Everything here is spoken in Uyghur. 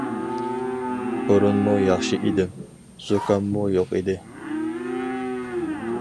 بۇرۇنمۇ ياخشى ئىدىم، زۇكاممۇ يوق ئىدى.